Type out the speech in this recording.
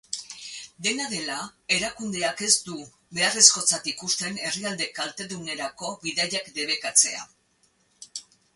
Dena dela, erakundeak ez du beharrezkotzat ikusten herrialde kaltedunerako bidaiak debekatzea.